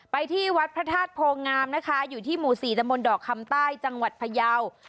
ที่วัดพระธาตุโพงามนะคะอยู่ที่หมู่๔ตะมนต์ดอกคำใต้จังหวัดพยาว